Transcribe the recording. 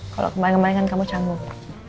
kalau kemarin kemarin kan kamu canggung